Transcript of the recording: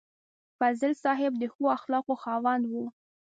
فضل صاحب د ښو اخلاقو خاوند و.